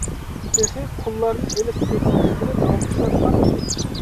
تېخى قۇللارنى ئېلىپ-سېتىش ئىشلىرى داۋاملىشىۋاتقان ئىدى.